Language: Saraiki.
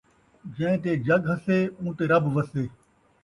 جئیں تے جڳ ہسّے ، اوں تے رب وسّے